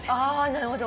なるほど。